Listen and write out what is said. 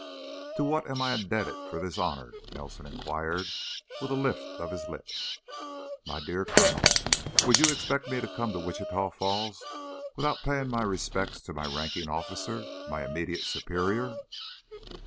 "To what am I indebted for this honor?" Nelson inquired, with a lift of his lip. "My dear Colonel, would you expect me to come to Wichita Falls without paying my respects to my ranking officer, my immediate superior?"